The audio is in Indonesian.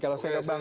kalau saya ke bang